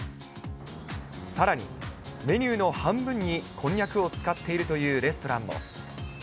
さらに、メニューの半分にこんにゃくを使っているというレストランも。